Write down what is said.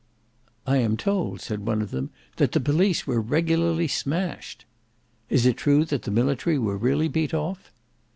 "I am told," said one of them, "that the police were regularly smashed." "Is it true that the military were really beat off?"